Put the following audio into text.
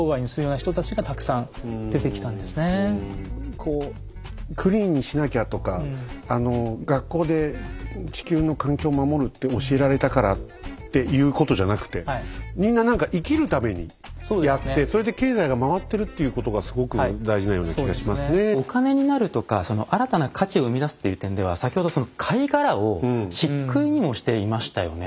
こうクリーンにしなきゃとか学校で地球の環境を守るって教えられたからっていうことじゃなくてお金になるとかその新たな価値を生み出すっていう点では先ほどその貝殻をしっくいにもしていましたよね。